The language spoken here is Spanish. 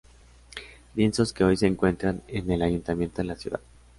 Lienzos que hoy se encuentran en el Ayuntamiento de la ciudad.